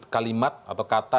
kalimat atau kata